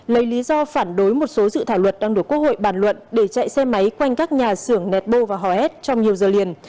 lấy lý do phản đối một số dự thả luật đang được quốc hội bàn luận để chạy xe máy quanh các nhà xưởng netbo và hòa hét trong nhiều giờ liền